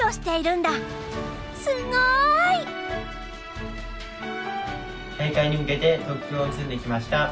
すごい！大会に向けて特訓を積んできました。